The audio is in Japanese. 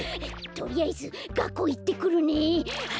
とりあえずがっこういってくるね。